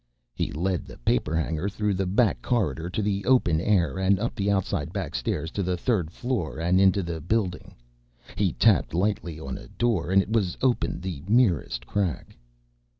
He led the paper hanger through the back corridor to the open air and up the outside back stairs to the third floor and into the building. He tapped lightly on a door and it was opened the merest crack.